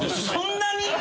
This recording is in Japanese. そんなに！？